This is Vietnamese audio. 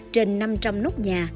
trên năm trăm linh nóc nhà